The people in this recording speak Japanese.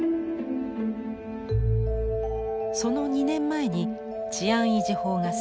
その２年前に治安維持法が制定。